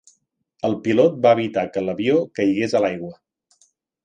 El pilot va evitar que l'avió caigués a l'aigua.